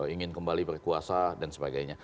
ingin kembali berkuasa dan sebagainya